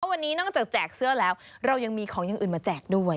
วันนี้นอกจากแจกเสื้อแล้วเรายังมีของอย่างอื่นมาแจกด้วย